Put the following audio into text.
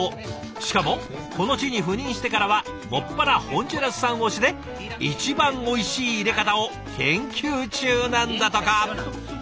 しかもこの地に赴任してからは専らホンジュラス産推しで一番おいしい淹れ方を研究中なんだとか。